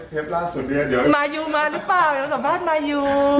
เทปล่าสุดเนี่ยเดี๋ยวมายูมาหรือเปล่าเดี๋ยวสัมภาษณ์มายู